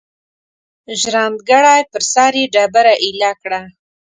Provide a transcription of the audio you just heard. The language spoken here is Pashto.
ژرندګړی پر سر یې ډبره ایله کړه.